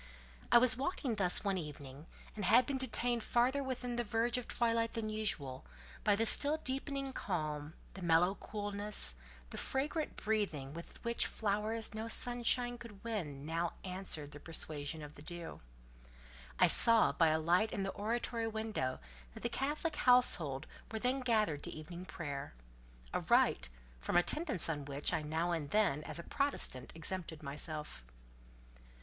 I was walking thus one evening, and had been detained farther within the verge of twilight than usual, by the still deepening calm, the mellow coolness, the fragrant breathing with which flowers no sunshine could win now answered the persuasion of the dew. I saw by a light in the oratory window that the Catholic household were then gathered to evening prayer—a rite, from attendance on which, I now and then, as a Protestant, exempted myself.